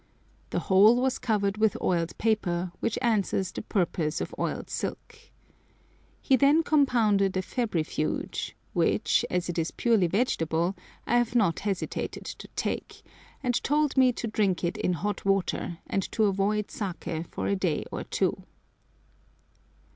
The whole was covered with oiled paper, which answers the purpose of oiled silk. He then compounded a febrifuge, which, as it is purely vegetable, I have not hesitated to take, and told me to drink it in hot water, and to avoid saké for a day or two!